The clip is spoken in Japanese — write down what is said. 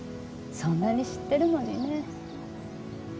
そんなに知ってるのにね